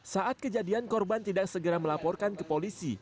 saat kejadian korban tidak segera melaporkan ke polisi